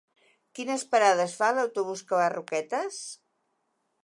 Quines parades fa l'autobús que va a Roquetes?